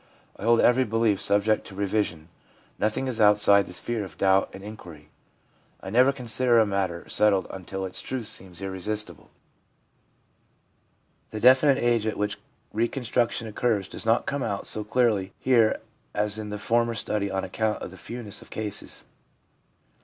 I hold every belief subject to revision; nothing is outside the sphere of doubt and inquiry. I never consider a matter settled until its truth seems irresistible/ The definite LINE OF GROWTH FOLLOWING CONVERSION 367 age at which reconstruction occurs does not come out so clearly here as in the former study on account of the fewness of the cases.